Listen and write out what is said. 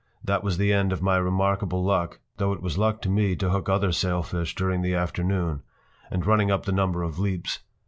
That was the end of my remarkable luck, though it was luck to me to hook other sailfish during the afternoon, and running up the number of leaps.